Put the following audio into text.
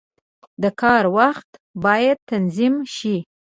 • د کار وخت باید تنظیم شي.